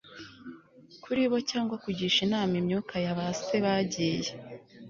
kuri bo cyangwa kugisha inama imyuka ya ba se bagiye